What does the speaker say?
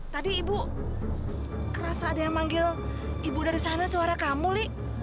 tadi ibu kerasa ada yang manggil ibu dari sana suara kamu li